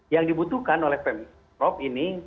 yang dibutuhkan oleh pemprov ini